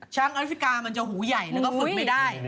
ช้างอริฟิกามันจะหูใหญ่แต่ก็ฝึกไม่ได้